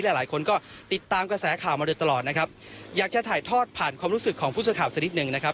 หลายคนก็ติดตามกระแสข่าวมาโดยตลอดนะครับอยากจะถ่ายทอดผ่านความรู้สึกของผู้สื่อข่าวสักนิดหนึ่งนะครับ